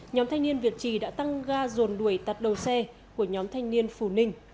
nhóm thanh niên việt trì đã tăng ga dồn đuổi tạt đầu xe của nhóm thanh niên phù ninh